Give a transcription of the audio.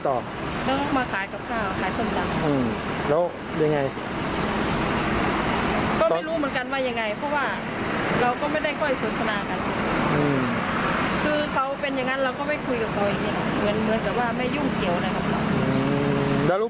ก็ไม่รู้เขาไม่เคยคุยกับเราไง